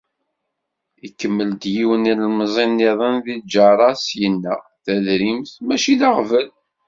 Ikemmel-d yiwen n yilemẓi-nniḍen di lǧerra-s, yenna: “Tadrimt, mačči d aɣbel”.